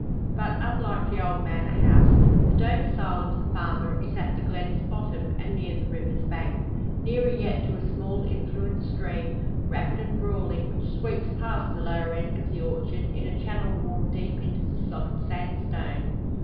But, unlike the old manor house, the domicile of the farmer is at the glen's bottom and near the river's bank; nearer yet to a small influent stream, rapid and brawling, which sweeps past the lower end of the orchard in a channel worn deep into the soft sandstone.